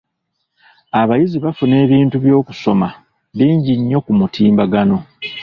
Abayizi bafuna ebintu by'okusoma bingi nnyo ku mutimbagano.